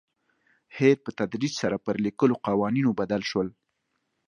هیر په تدریج سره پر لیکلو قوانینو بدل شول.